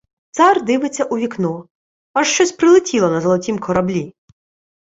Цар дивиться у вікно — аж щось прилетіло на золотім кораблі.